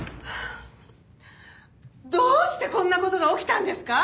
どうしてこんな事が起きたんですか？